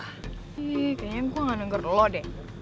ih kayaknya gue gak denger lo deh